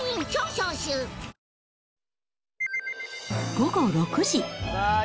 午後６時。